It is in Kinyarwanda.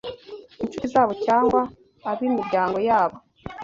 inshuti zabo cyangwa ab’imiryango yabo